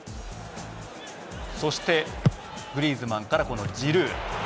そしてグリーズマンから、このジルー。